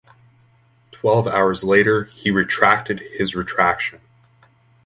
Twelve hours later, he retracted his retraction.